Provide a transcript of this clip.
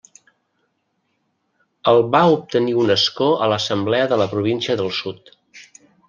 El va obtenir un escó a l'Assemblea de la Província del Sud.